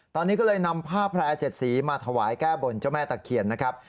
ตอนนี้ก็เลยนำผ้าแพร่๗สีมาถวายแก้บนเจ้าแม่ตะเคียนนะครับ